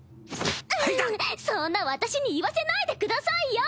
そんな私に言わせないでくださいよ！